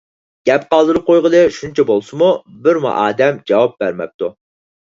گەپ قالدۇرۇپ قويغىلى شۇنچە بولسىمۇ بىرمۇ ئادەم جاۋاب بەرمەپتۇ.